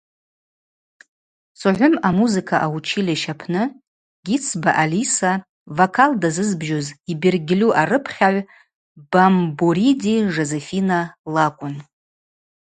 Согъвым амузыка училища апны Гицба Алиса вокал дазызбжьуз йбергьльу арыпхьагӏв Бамбуриди Жозефина лакӏвын.